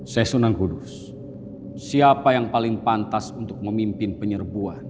saya sunan kudus siapa yang paling pantas untuk memimpin penyerbuan